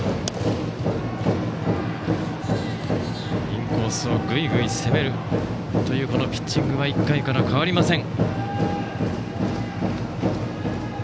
インコースをぐいぐいと攻めるというピッチングは１回から変わりません。